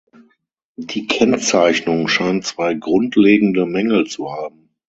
Die Kennzeichnung scheint zwei grundlegende Mängel zu haben.